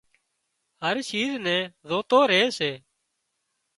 هر شيز نين زوتو ري سي